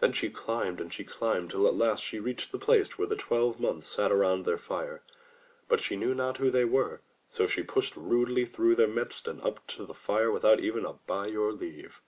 Then she climbed and she climbed till at last she reached the place where the Twelve Months sat about their fire. But she knew not who they were, so she pushed rudely through their midst and up to the fire without even a "By your leave.''